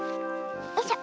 よいしょ。